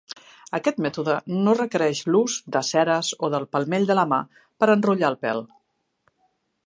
Aquest mètode no requereix l'ús de ceres o del palmell de la mà per enrotllar el pèl.